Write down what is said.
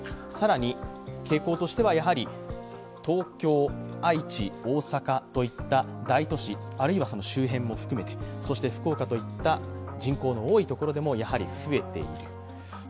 更に傾向としては、東京、愛知、大阪といった大都市あるいは、その周辺も含めて、そして福岡といった人口の多いところでもやはり増えている。